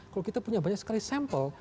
kalau kita punya banyak sekali sampel